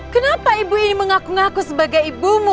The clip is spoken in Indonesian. kenapa ibu ini mengaku ngaku sebagai ibumu